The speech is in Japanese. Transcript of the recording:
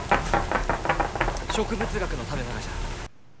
植物学のためながじゃ！